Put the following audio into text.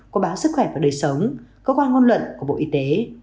có báo sức khỏe và đời sống cơ quan ngôn luận của bộ y tế